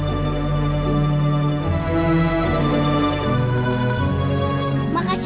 terima kasih ibu kurcaci